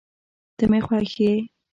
ته مي خوښ یې